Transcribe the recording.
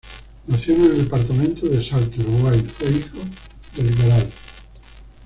Nacido en el departamento de Salto, Uruguay, fue hijo del Gral.